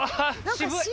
渋い。